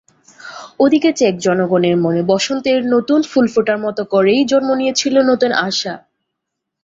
ওদিকে চেক জনগণের মনে বসন্তের নতুন ফুল ফোটার মতো করেই জন্ম নিয়েছিল নতুন আশা।